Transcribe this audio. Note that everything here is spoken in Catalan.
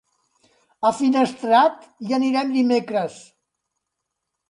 A Finestrat hi anem dimecres.